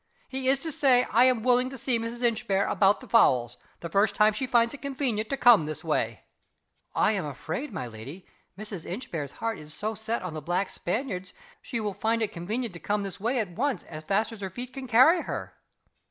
He is to say I am willing to see Mrs. Inchbare, about the fowls, the first time she finds it convenient to come this way." "I am afraid, my lady Mrs. Inchbare's heart is so set on the black Spaniards she will find it convenient to come this way at once as fast as her feet can carry her."